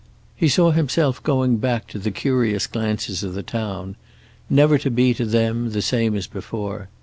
He saw himself going back to the curious glances of the town, never to be to them the same as before.